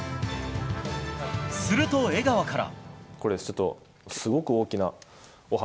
すると、江川から。